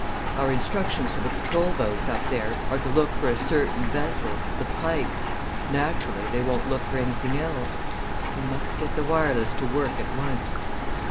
Our instructions to the patrol boats up there are to look for a certain vessel, the Pike naturally they won't look for anything else. We must get the wireless to work at once."